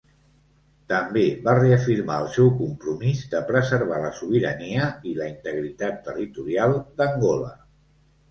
També va reafirmar el seu compromís de preservar la sobirania i la integritat territorial d'Angola.